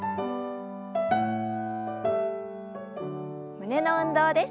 胸の運動です。